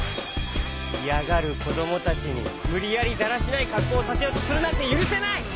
いやがるこどもたちにむりやりだらしないかっこうをさせようとするなんてゆるせない！